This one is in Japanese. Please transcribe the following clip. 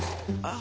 あ。